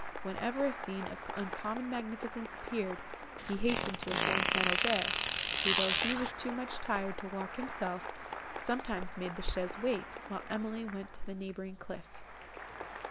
Whenever a scene of uncommon magnificence appeared, he hastened to inform St. Aubert, who, though he was too much tired to walk himself, sometimes made the chaise wait, while Emily went to the neighbouring cliff.